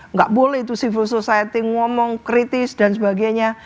nggak boleh itu civil society ngomong kritis dan sebagainya